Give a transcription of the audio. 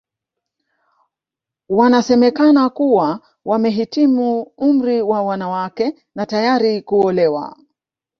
Wanasemekana kuwa wamehitimu umri wa wanawake na tayari kuolewa